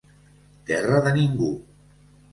Terra de ningú.